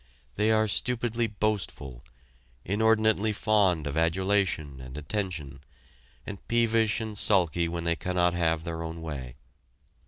They are stupidly boastful, inordinately fond of adulation and attention, and peevish and sulky when they cannot have their own way.